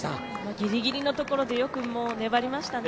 ギリギリのところでよく粘りましたね。